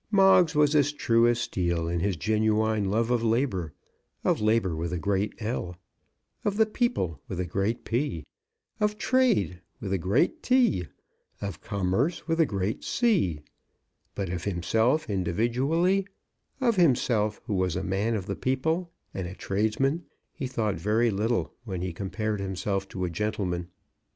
Moggs was as true as steel in his genuine love of Labour, of Labour with a great L, of the People with a great P, of Trade with a great T, of Commerce with a great C; but of himself individually, of himself, who was a man of the people, and a tradesman, he thought very little when he compared himself to a gentleman.